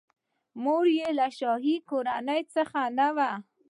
مور یې له شاهي کورنۍ څخه نه وه.